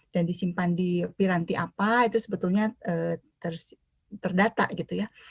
dan disimpan di piranti apa itu sebetulnya terdata gitu ya